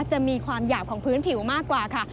จะมีความหยาบของพื้นผิวมากกว่าค่ะ